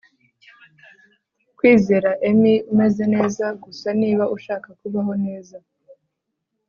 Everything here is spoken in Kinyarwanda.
kwizera emmy umeze neza gusa niba ushaka kubaho neza